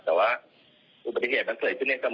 แต่ว่าอุบัติเหตุมันเกิดขึ้นแน่เสมอนะครับ